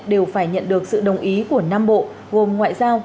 đều phải nhận được sự đồng ý của năm bộ gồm ngoại giao